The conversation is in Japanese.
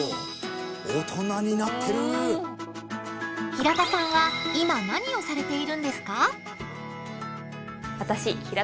平田さんは今何をされているんですか？